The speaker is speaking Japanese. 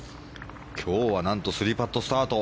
今日は、何と３パットスタート。